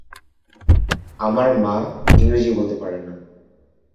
আমার মা ইংরাজি বলতে পারে না।